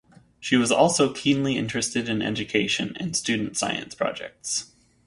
She was also keenly interested in education and student science projects.